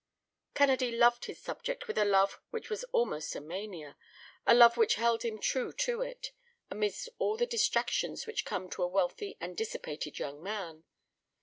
Kennedy loved his subject with a love which was almost a mania—a love which held him true to it, amidst all the distractions which come to a wealthy and dissipated young man.